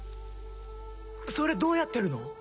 それどうやってるの？